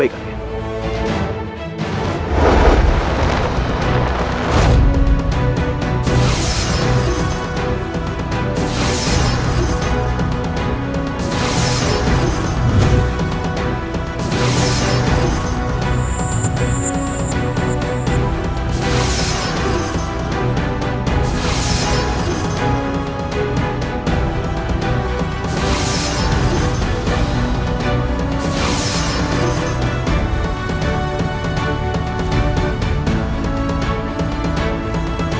kau akan menghentikanku